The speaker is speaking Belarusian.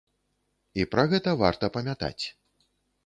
І пра гэта варта памятаць.